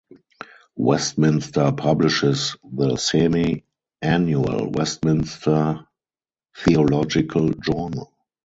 Westminster publishes the semi-annual "Westminster Theological Journal".